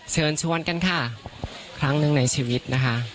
เชิญชวนกันค่ะครั้งหนึ่งในชีวิตนะคะ